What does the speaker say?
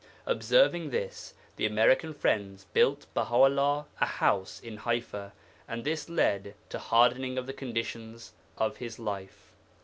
Observing this the American friends built Baha 'ullah a house in Ḥaifa, and this led to a hardening of the conditions of his life.